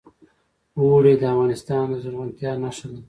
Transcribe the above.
اوړي د افغانستان د زرغونتیا نښه ده.